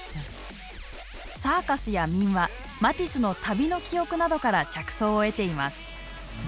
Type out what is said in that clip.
サーカスや民話マティスの旅の記憶などから着想を得ています。